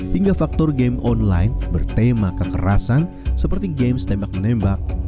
hingga faktor game online bertema kekerasan seperti games tembak menembak